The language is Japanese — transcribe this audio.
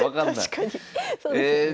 確かにそうですね。